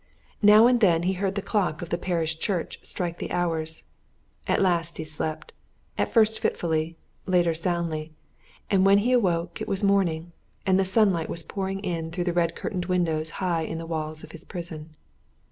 Now and then he heard the clock of the parish church strike the hours. At last he slept at first fitfully; later soundly and when he woke it was morning, and the sunlight was pouring in through the red curtained windows high in the walls of his prison.